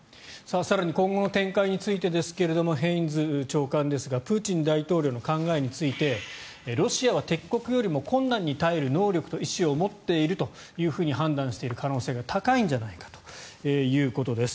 更に今後の展開についてですがヘインズ長官ですがプーチン大統領の考えについてロシアは敵国よりも困難に耐える能力と意思を持っていると判断している可能性が高いんじゃないかということです。